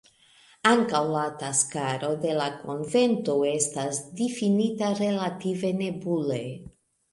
Ankaŭ la taskaro de la konvento estas difinita relative nebule.